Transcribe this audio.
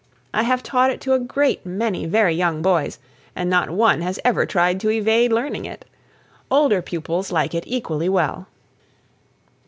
I have taught it to a great many very young boys, and not one has ever tried to evade learning it. Older pupils like it equally well.